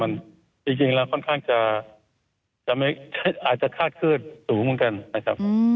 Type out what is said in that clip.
จริงแล้วค่อนข้างจะอาจจะคาดเคลื่อนสูงเหมือนกันนะครับ